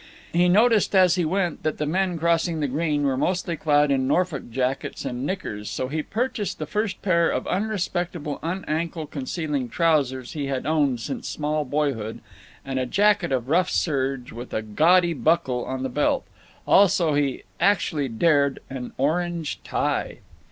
He noticed, as he went, that the men crossing the green were mostly clad in Norfolk jackets and knickers, so he purchased the first pair of unrespectable un ankle concealing trousers he had owned since small boyhood, and a jacket of rough serge, with a gaudy buckle on the belt. Also, he actually dared an orange tie!